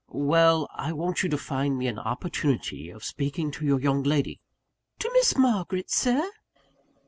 "Well: I want you to find me an opportunity of speaking to your young lady " "To Miss Margaret, Sir?"